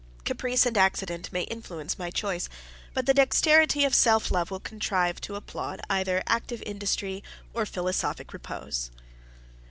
Caprice and accident may influence my choice; but the dexterity of self love will contrive to applaud either active industry or philosophic repose.